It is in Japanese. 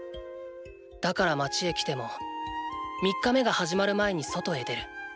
だから街へ来ても３日目が始まる前に外へ出る。